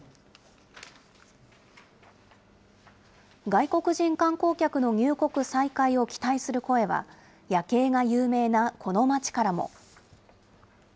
外国人観光客の入国再開を期待する声は、夜景が有名なこの街からも。